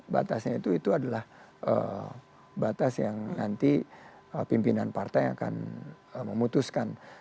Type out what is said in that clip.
batasnya itu adalah batas yang nanti pimpinan partai akan memutuskan